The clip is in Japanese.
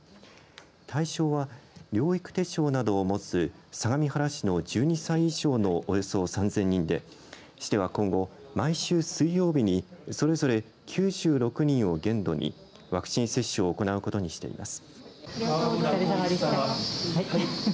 対象は療育手帳などを持つ相模原市の１２歳以上のおよそ３０００人で、市では今後毎週水曜日にそれぞれ９６人を限度にワクチン接種を行うことにしています。